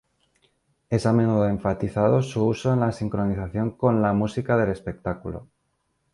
Es a menudo enfatizado su uso en la sincronización con la música del espectáculo.